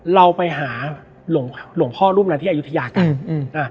เราไปหาหลวงพ่อรุ่นนาทีอยุธยากัน